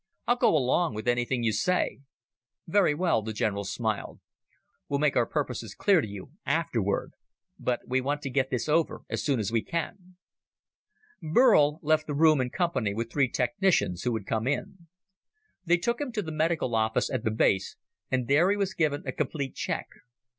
"I'll go along with anything you say." "Very well," the general smiled. "We'll make our purposes clear to you afterward. But we want to get this over as soon as we can." Burl left the room in company with three technicians who had come in. They took him to the medical office at the base and there he was given a complete check.